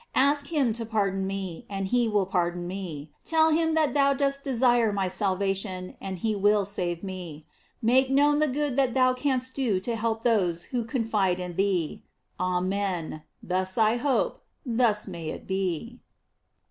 Ask him to pardon me, and he will par don me; tell him that thon dost desire my sal vation, and he will save me. Make known the good that thou canst do to those who confide m thee. Amen; thus I hope, thus may it be.